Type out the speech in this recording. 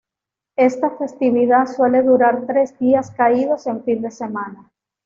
Esta festividad suele durar tres días caídos en fin de semana.